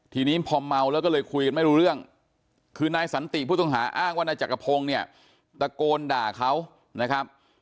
ทีนี้พอเมาแล้วก็เลยคุยกันไม่รู้เรื่องคือนายสันติผู้ต้องหาอ้างว่านายจักรพงศ์เนี่ยตะโกนด่าเขานะครับ